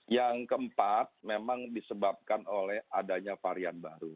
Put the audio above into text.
yang keempat memang disebabkan oleh adanya varian baru